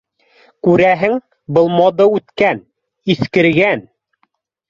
Күрәһең, был мода үткән, иҫкергән